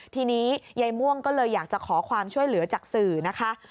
ทีนี้ยายม่วงก็เลยอยากจะขอความช่วยเหลือจากสื่อนะคะ